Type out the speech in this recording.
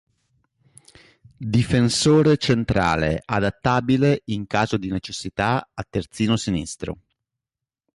Difensore centrale, adattabile in caso di necessità a terzino sinistro.